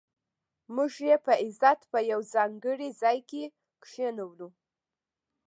موږ یې په عزت په یو ځانګړي ځای کې کېنولو.